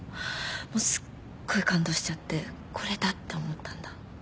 もうすっごい感動しちゃってこれだって思ったんだ。